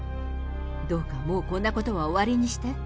どうかもうこんなことは終わりにして。